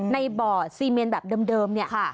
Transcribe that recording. ในบ่อซีเมียนแบบเดิมเนี่ยค่ะ